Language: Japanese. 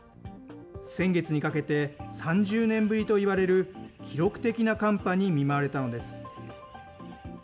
先月にかけて３０年ぶりといわれる、記録的な寒波に見舞われたのです。